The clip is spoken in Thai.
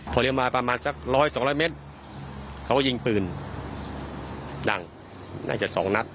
พอเลี้ยวมาประมาณสักร้อยสองร้อยเมตรเขาก็ยิงปืนดังน่าจะสองนัด